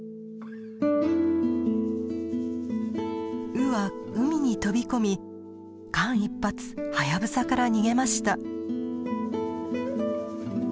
ウは海に飛び込み間一髪ハヤブサから逃げました。